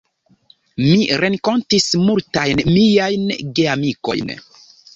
Mi renkontis multajn miajn geamikojn.